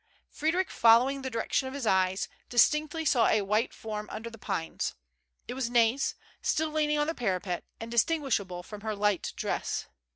Frederic, following the direction of his eyes, distinctly saw a white form under the pines. It was Nais, still leaning on the parapet, and distinguish able from her light dress.